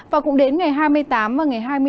và cũng đến ngày hai mươi tám và ngày hai mươi